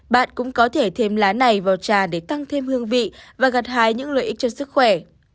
bạn cũng có thể thêm lá này vào trà để tăng thêm hương vị và gặt hái những lợi ích cho sức khỏe